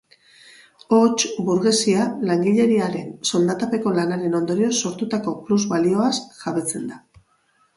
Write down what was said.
Hots, burgesia langileriaren soldatapeko lanaren ondorioz sortutako plus-balioaz jabetzen da.